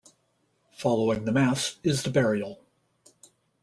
Following the mass is the burial.